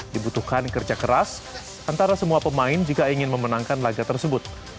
dibutuhkan kerja keras antara semua pemain jika ingin memenangkan laga tersebut